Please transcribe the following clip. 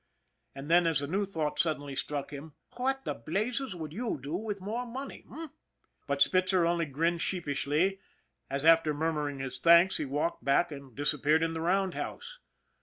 And then, as a new thought suddenly struck him :" What the blazes would you do with more money, h'm ?" But Spitzer only grinned sheepishly as, after mur muring his thanks, he walked back and disappeared in the roundhouse.